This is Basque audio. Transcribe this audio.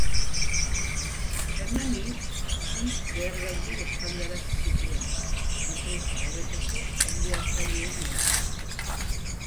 Hernanin bi lehergailu eztandarazi zituen enpresa horretako hondeatzaileen aurka.